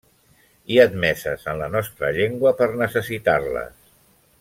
I admeses en la nostra llengua per necessitar-les.